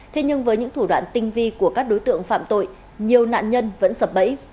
thế nhưng với những thủ đoạn tinh vi của các đối tượng phạm tội nhiều nạn nhân vẫn sập bẫy